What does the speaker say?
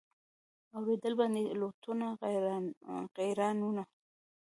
اورېدل باندي لوټونه غیرانونه